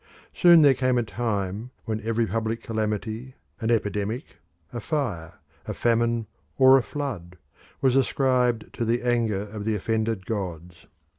Soon there came a time when every public calamity an epidemic, a fire, a famine, or a flood was ascribed to the anger of the offended gods.